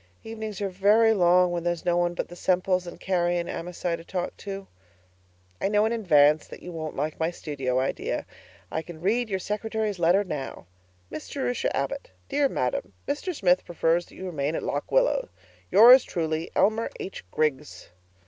Evenings are very long when there's no one but the Semples and Carrie and Amasai to talk to. I know in advance that you won't like my studio idea. I can read your secretary's letter now: 'Miss Jerusha Abbott. 'DEAR MADAM, 'Mr. Smith prefers that you remain at Lock Willow. 'Yours truly, 'ELMER H. GRIGGS.'